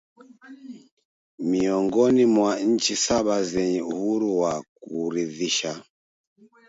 miongoni mwa nchi saba zenye uhuru wa kuridhisha